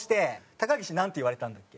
高岸なんて言われたんだっけ？